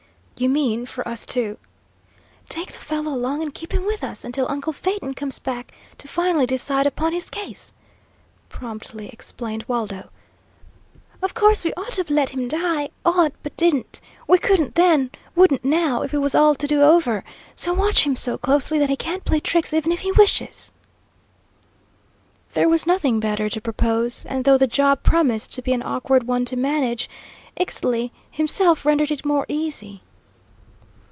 "You mean for us to " "Take the fellow along, and keep him with us, until uncle Phaeton comes back to finally decide upon his case," promptly explained Waldo. "Of course we ought to've let him die; ought, but didn't! We couldn't then, wouldn't now, if it was all to do over. So watch him so closely that he can't play tricks even if he wishes." There was nothing better to propose, and though the job promised to be an awkward one to manage, Ixtli himself rendered it more easy.